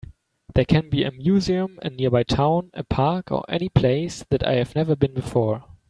They can be a museum, a nearby town, a park, or any place that I have never been before.